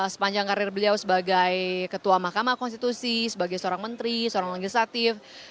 sepanjang karir beliau sebagai ketua mahkamah konstitusi sebagai seorang menteri seorang legislatif